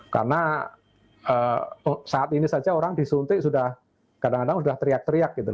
karena saat ini saja orang disuntik sudah teriak teriak